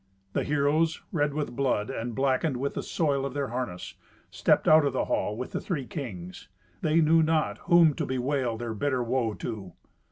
The heroes, red with blood, and blackened with the soil of their harness, stepped out of the hall with the three kings. They knew not whom to bewail their bitter woe to.